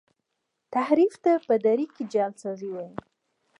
تحریف ته په دري کي جعل سازی وايي.